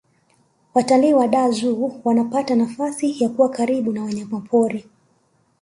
watalii wa dar zoo wanapata nafasi ya kuwa karibu na wanyamapori